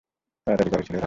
তাড়াতাড়ি কর, ছেলেরা!